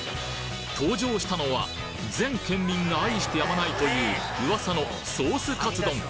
登場したのは全県民が愛してやまないという噂のソースカツ丼